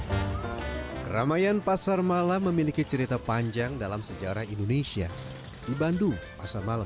hai keramaian pasar malam memiliki cerita panjang dalam sejarah indonesia di bandung pasar malam